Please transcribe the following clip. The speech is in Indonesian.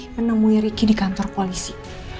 menemui riki di kantor polisi